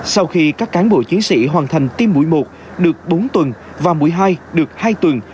sau khi các cán bộ chiến sĩ hoàn thành tiêm mũi một được bốn tuần và mũi hai được hai tuần